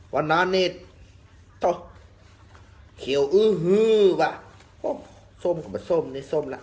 วันนั้นนี่เขียวอื้อหือว่ะโห้ส้มกลับมาส้มนี่ส้มละ